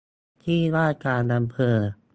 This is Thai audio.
ที่ว่าการอำเภอ